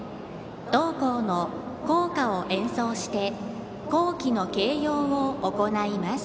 同校の校歌を演奏して校旗の掲揚を行います。